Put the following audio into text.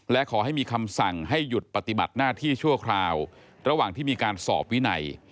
และขอให้มีคำสั่งให้หยุดปฏิบัติหน้าที่ชั่วคราวระหว่างที่มีการสอบวินัย